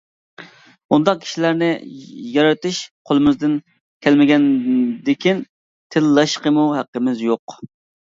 ئۇنداق كىشىلەرنى يارىتىش قولىمىزدىن كەلمىگەندىكىن تىللاشقىمۇ ھەققىمىز يوق.